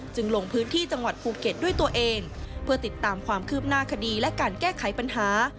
ลงพื้นที่จังหวัดภูเก็ตด้วยตัวเองเพื่อติดตามความคืบหน้าคดีและการแก้ไขปัญหา